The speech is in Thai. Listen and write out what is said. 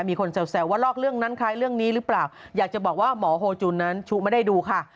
มีคนแซวว่าลอกเรื่องนั้นคล้ายเรื่องนี้หรือเปล่าอยากจะบอกว่าหมอโฮจุนนั้นชุไม่ได้ดูค่ะ